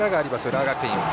浦和学院。